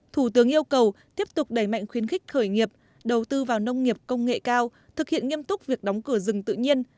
thủ tướng yêu cầu tiếp tục đẩy mạnh khuyến khích khởi nghiệp đầu tư vào nông nghiệp công nghệ cao thực hiện nghiêm túc việc đóng cửa rừng tự nhiên